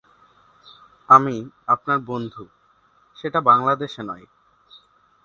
আমি আপনার বন্ধু, সেটা বাংলাদেশে নয়।